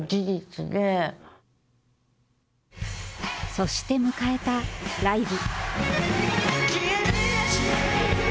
そして迎えたライブ。